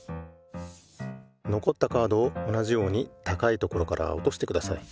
のこったカードを同じようにたかいところからおとしてください。